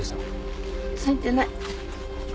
付いてない。